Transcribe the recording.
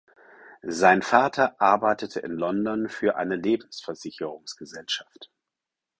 Sein Vater arbeitete in London für eine Lebensversicherungsgesellschaft.